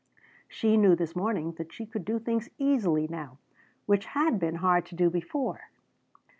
She knew this morning that she could do things easily now which had been hard to do before.